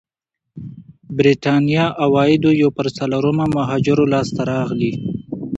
برېتانيا عوايدو یو پر څلورمه مهاجرو لاسته راغلي.